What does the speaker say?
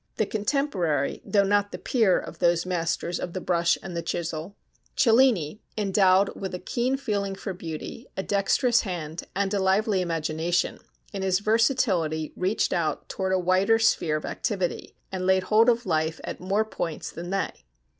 The contemporary though not the peer of those masters of the brush and the chisel, Cellini, endowed with a keen feeling for beauty, a dexterous hand, and a lively imagination, in his versatility reached out toward a wider sphere of activity, and laid hold of life at more points, than they.